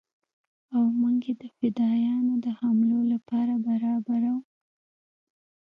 او موږ يې د فدايانو د حملو لپاره برابرو.